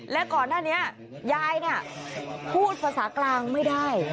และก่อนหน้านี้ยายเนี่ยพูดภาษากลางไม่ได้